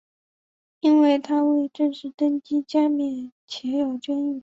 因为他未正式登基加冕且有争议。